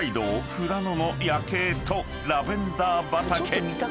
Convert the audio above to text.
富良野の夜景とラベンダー畑］